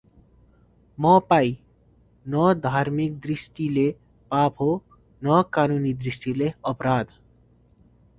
मपाई न धार्मिक दृष्टिले पाप हो, न कानुनी दृष्टिले अपराध।